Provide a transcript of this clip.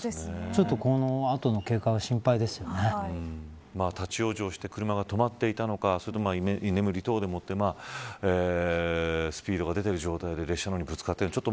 ちょっとこの後の経過が立ち往生して車が止まっていたのかそれとも、居眠り等でもってスピードが出ている状態で列車の方にぶつかって。